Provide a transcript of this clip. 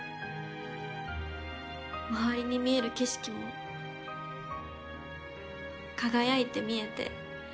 周りに見える景色も輝いて見えて。